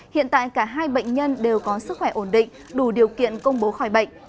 hiện tại cả hai bệnh nhân đều có sức khỏe ổn định đủ điều kiện công bố khỏi bệnh